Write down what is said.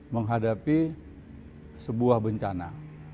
menghadapi sebuah bencana